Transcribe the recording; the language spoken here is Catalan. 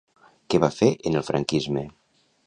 Què va fer en el franquisme?